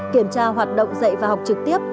kiểm tra hoạt động dạy và học trực tiếp